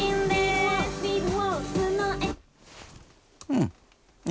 うん。